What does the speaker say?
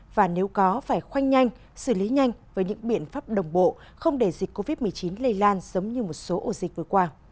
và nếu có phải khoanh nhanh xử lý nhanh với những biện pháp đồng bộ không để dịch covid một mươi chín lây lan giống như một số ổ dịch vừa qua